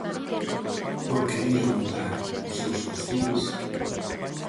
Por que ía mudar os seus costumes?